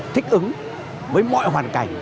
thích ứng với mọi hoàn cảnh